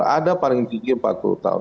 ada paling tinggi empat puluh tahun